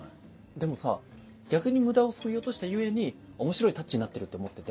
でもさ逆に無駄をそぎ落とした故に面白いタッチになってるって思ってて。